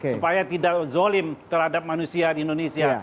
supaya tidak zolim terhadap manusia di indonesia